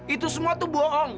itu semua tuh bohong